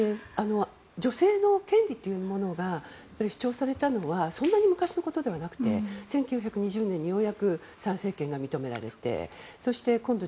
女性の権利というものが主張されたのはそんなに昔のことではなく１９２０年にようやく参政権が認められてそして今度